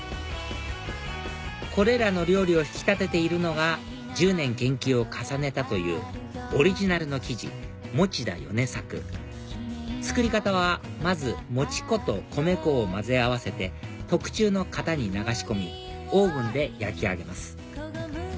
これらの料理を引き立てているのが１０年研究を重ねたというオリジナルの生地モチダヨネサク作り方はまずもち粉と米粉を混ぜ合わせて特注の型に流し込みオーブンで焼き上げます